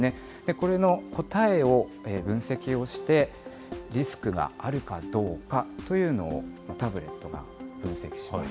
これの答えを分析をして、リスクがあるかどうかというのを、タブレットが分析します。